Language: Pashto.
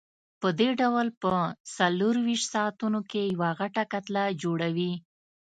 پدې ډول په څلورویشت ساعتونو کې یوه غټه کتله جوړوي.